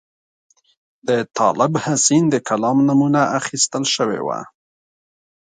د طالب حسین د کلام نمونه اخیستل شوې وه.